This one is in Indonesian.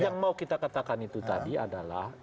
yang mau kita katakan itu tadi adalah